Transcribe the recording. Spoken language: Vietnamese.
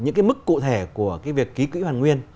những cái mức cụ thể của cái việc ký quỹ hoàn nguyên